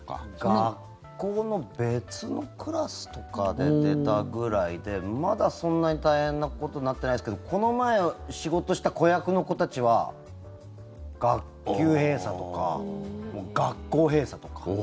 学校の別のクラスとかで出たぐらいでまだそんなに大変なことになってないですけどこの前、仕事した子役の子たちは学級閉鎖とかもう学校閉鎖とか。